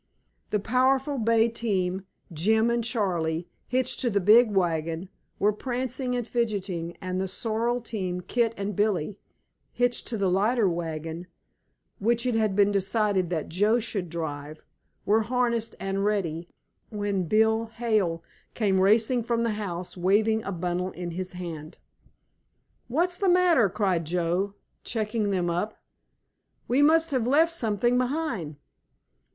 The powerful bay team, Jim and Charley, hitched to the big wagon, were prancing and fidgeting, and the sorrel team, Kit and Billy, hitched to the lighter wagon, which it had been decided that Joe should drive, were harnessed and ready, when Bill Hale came racing from the house waving a bundle in his hand. "What's the matter?" cried Joe, checking them up. "We must have left something behind!"